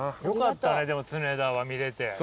よかったねでも常田は見れて。